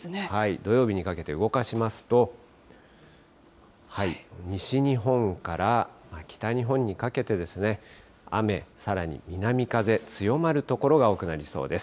土曜日にかけて動かしますと、西日本から北日本にかけてですね、雨、さらに南風、強まる所が多くなりそうです。